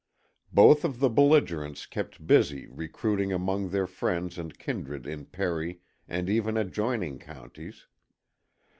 Both of the belligerents kept busy recruiting among their friends and kindred in Perry and even adjoining counties.